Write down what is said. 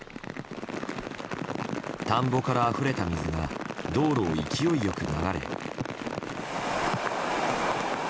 田んぼからあふれた水が道路を勢いよく流れ。